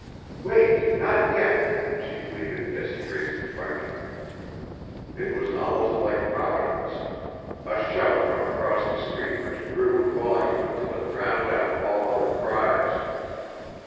"Wait. Not yet," she pleaded as he raised his weapon. It was almost like Providence; a shout from across the street which grew in volume until it drowned out all other cries.